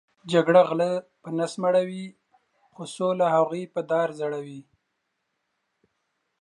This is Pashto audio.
جګړه غلۀ په نس مړؤی خو سوله هغوې په دار ځړؤی